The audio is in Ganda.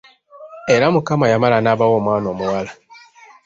Era Mukama yamala n’abawa omwana omuwala.